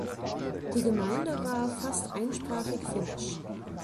Die Gemeinde war fast einsprachig finnisch.